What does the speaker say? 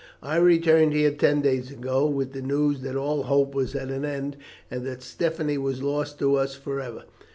I returned here ten days ago with the news that all hope was at an end, and that Stephanie was lost to us for ever.